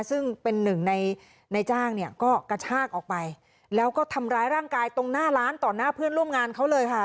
ซึ่งเป็นหนึ่งในในจ้างเนี่ยก็กระชากออกไปแล้วก็ทำร้ายร่างกายตรงหน้าร้านต่อหน้าเพื่อนร่วมงานเขาเลยค่ะ